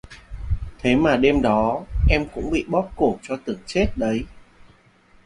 Thế mà đêm đó Em cũng bị bóp cổ cho tưởng chết đấy